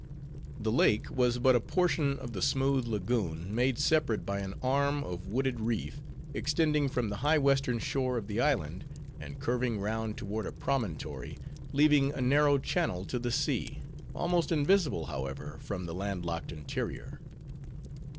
The lake was but a portion of the smooth lagoon, made separate by an arm of wooded reef, extending from the high western shore of the island, and curving round toward a promontory, leaving a narrow channel to the sea, almost invisible, however, from the land locked interior.